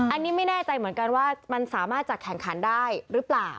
อันนี้ไม่แน่ใจเหมือนกันว่ามันสามารถจะแข่งขันได้หรือเปล่า